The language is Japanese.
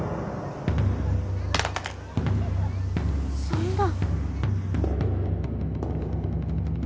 そんな。